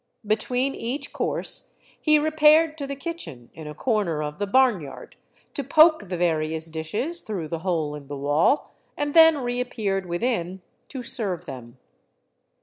Between each course he repaired to the kitchen in a corner of the barn yard to poke the various dishes through the hole in the wall, and then reappeared within to serve them.